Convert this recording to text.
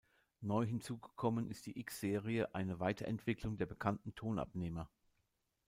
Neu hinzugekommen ist die "X-Serie", eine Weiterentwicklung der bekannten Tonabnehmer.